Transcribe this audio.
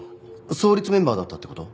創立メンバーだったって事？